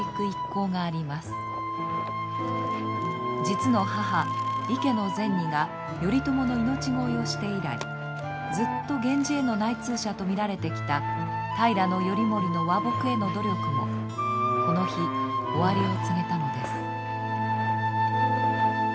実の母池ノ尼が頼朝の命乞いをして以来ずっと源氏への内通者と見られてきた平頼盛の和睦への努力もこの日終わりを告げたのです。